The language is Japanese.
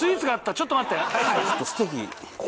ちょっと待って。